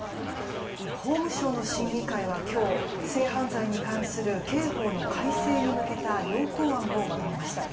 法務省の審議会は今日、性犯罪に関する刑法の改正に向けた要綱案をまとめました。